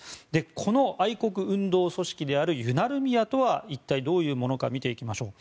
この愛国運動組織であるユナルミヤとは一体どういうものか見ていきましょう。